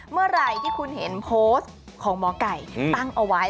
เมื่อไหร่ที่คุณเห็นโพสต์ของหมอไก่ตั้งเอาไว้